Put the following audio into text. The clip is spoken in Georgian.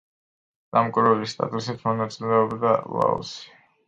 დამკვირვებლის სტატუსით მონაწილეობდა ლაოსი.